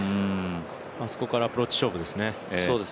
あそこからアプローチ勝負ですね。